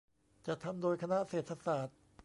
จัดทำโดยคณะเศรษฐศาสตร์